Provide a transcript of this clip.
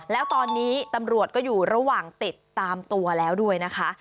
แล้วตอนนี้ตำรวจก็อยู่ระหว่างติดตามตัวแล้วด้วยนะคะ